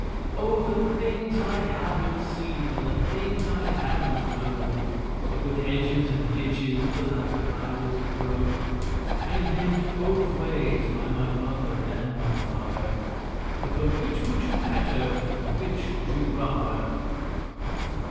Oh, the things I haven't seen and the things I haven't known, What with hedges and ditches till after I was grown, And yanked both ways by my mother and my father, With a 'Which would you better?" and a "Which would you rather?"